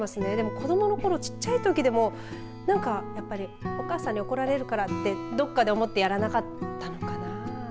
子どものころ、小さいときでもお母さんに怒られるからってどっかで思ってやらなかったのかな。